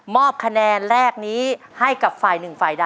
คะแนนแรกนี้ให้กับฝ่ายหนึ่งฝ่ายใด